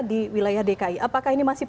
di wilayah dki apakah ini masih